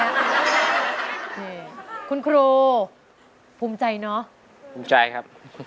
นะคะคุณครูภูมิใจเนาะ